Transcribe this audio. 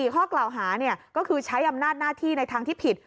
ข้อกล่าวหาก็คือใช้อำนาจหน้าที่ในทางที่ผิด